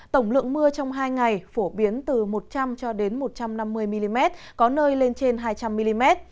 tổng lượng mưa trong hai ngày phổ biến từ một trăm linh cho đến một trăm năm mươi mm có nơi lên trên hai trăm linh mm